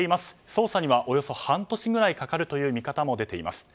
捜査にはおよそ半年ぐらいかかるという見方も出ています。